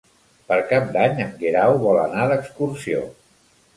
Per Cap d'Any en Guerau vol anar d'excursió.